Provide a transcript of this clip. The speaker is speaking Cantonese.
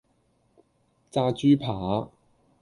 炸豬扒